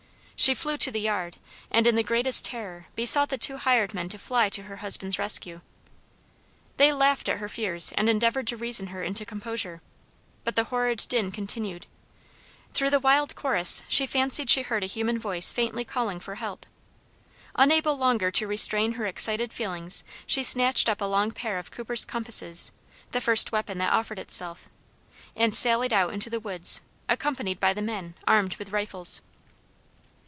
She flew to the yard, and in the greatest terror, besought the two hired men to fly to her husband's rescue. They laughed at her fears, and endeavored to reason her into composure. But the horrid din continued. Through the wild chorus she fancied she heard a human voice faintly calling for help. Unable longer to restrain her excited feelings, she snatched up a long pair of cooper's compasses the first weapon that offered itself and sallied out into the woods, accompanied by the men, armed with rifles.